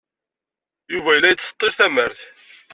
Yuba yella yettseḍḍil tamart.